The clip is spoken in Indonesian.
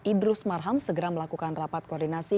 idrus marham segera melakukan rapat koordinasi